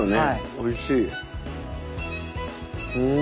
おいしい。